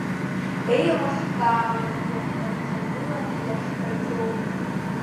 Еилаҳкаауагьы ҳнарҿагыланы иаҳҳәаӡом.